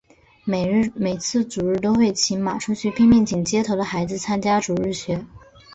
每次主日都会骑马出去拼命请街头的孩子参加主日学。